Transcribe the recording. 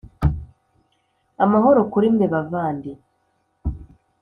amahoro kuri mwe bavandi